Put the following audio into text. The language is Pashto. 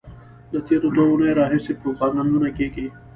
له تېرو دوو اونیو راهیسې پروپاګندونه کېږي.